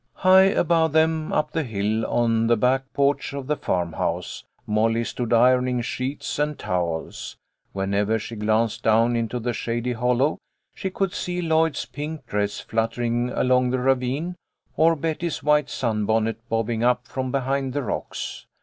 High above them, up the hill, on the back porch of the farmhouse, Molly stood ironing sheets and towels. Whenever she glanced down into the shady hollow, she could see Lloyd's pink dress fluttering along the ravine, or Betty's white sunbonnet bobbing up from behind the rocks.